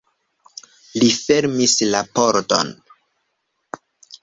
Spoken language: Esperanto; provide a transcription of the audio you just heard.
Li fermis la pordon.